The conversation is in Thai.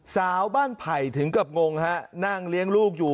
สาวบ้านไผ่ถึงกับงงฮะนั่งเลี้ยงลูกอยู่